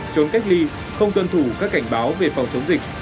trốn cách ly không tuân thủ các cảnh báo về phòng chống dịch